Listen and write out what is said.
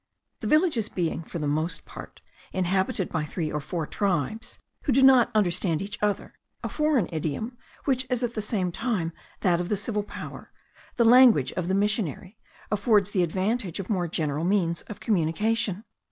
The villages being, for the most part, inhabited by three or four tribes, who do not understand each other, a foreign idiom, which is at the same time that of the civil power, the language of the missionary, affords the advantage of more general means of communication.